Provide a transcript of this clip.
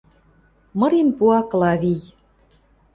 Мырен пуа Клавий.